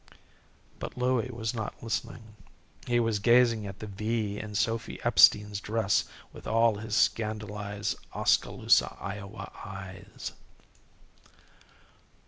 But Louie was not listening. He was gazing at the V in Sophy Epstein's dress with all his scandalized Oskaloosa, Iowa, eyes.